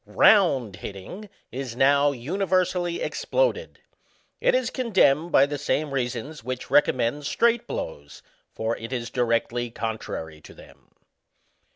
Round hitting is now universally exploded ; it is condemned by the same reasons which recommend straight blows, for it is directly contrary to them.